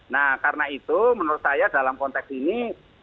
nah karena itu menurut saya dalam konteks ini